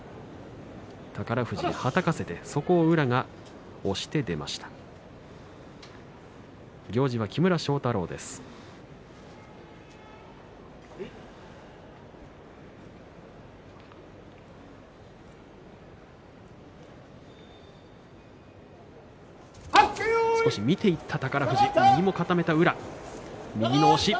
宝富士はたかせてそこを宇良が押して出ました。